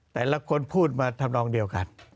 แต่ละคนพูดมาทำนองเดียวกัน